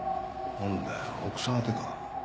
何だよ奥さん宛か？